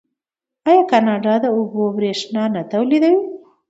آیا کاناډا د اوبو بریښنا نه تولیدوي؟